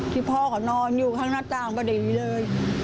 พ่อเขานอนอยู่ข้างหน้าต่างพอดีเลย